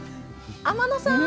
天野さん